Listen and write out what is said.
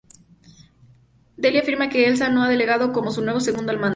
Dell afirma que Elsa lo ha delegado como su nuevo segundo al mando.